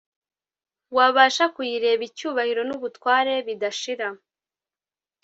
wabasha kuyireba icyubahiro n ubutware budashira